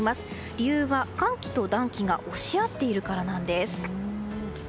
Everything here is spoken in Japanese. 理由は寒気と暖気が押し合っているからなんです。